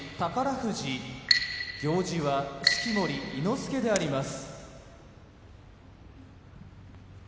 富士行司は式守伊之助であります。